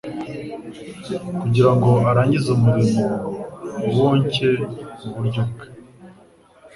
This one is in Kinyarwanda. kugira ngo arangize umurimo uboncye mu buryo bwose.